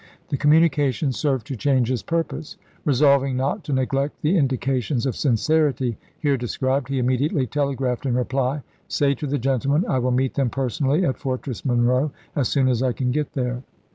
The communication served to change his purpose. Resolving not to neglect the indications of sincerity here described, he immediately telegraphed in reply, " Say to the gentlemen I will meet them personally at Fortress Monroe as soon as I can get there."